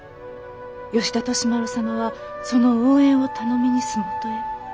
吉田稔麿様はその応援を頼みに洲本へ？